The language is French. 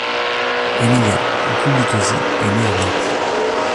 Emilia Gubitosi est née à Naples.